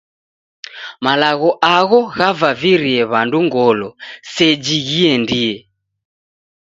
Malagho agho ghavavivirie w'andu ngolo seji ghiendie.